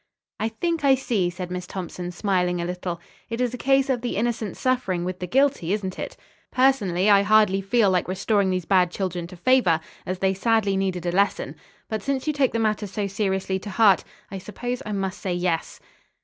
"I think I see," said Miss Thompson, smiling a little. "It is a case of the innocent suffering with the guilty, isn't it? Personally, I hardly feel like restoring these bad children to favor, as they sadly needed a lesson; but since you take the matter so seriously to heart; I suppose I must say 'yes.'"